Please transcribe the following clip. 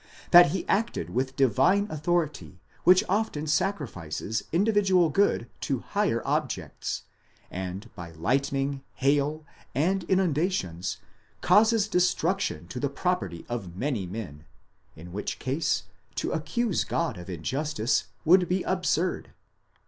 that he acted with divine authority, which often sacrifices individual good to higher objects, and by lightning, hail and inundations causes destruction to the property of many men,*° in which case, to accuse God of injustice would be absurd.